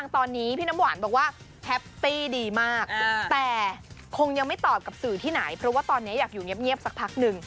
แต่คงยังไม่ตอบกับสื่อที่ไหนเพราะว่าตอนนี้อยากอยู่เงียบสักพักหนึ่ง